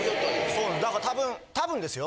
そうなんですだから多分多分ですよ。